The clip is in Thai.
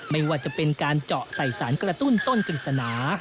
ไม่ว่าจะเป็นการเจาะใส่สารกระตุ้นต้นกฤษณา